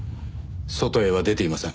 外へは出ていません。